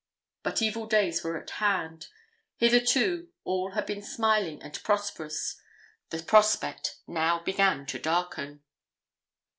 But evil days were at hand. Hitherto, all had been smiling and prosperous. The prospect now began to darken.